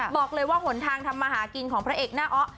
บอกเลยว่าหนทางทำมาหากินของพระเอกหน้าอ้อ